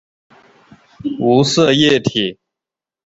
无色液体。